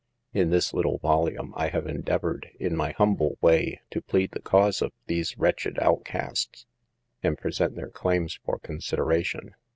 In this little volume, I have endeavored, in my humble way, to plead the cause of these wretched outcasts, and present their claims for consideration.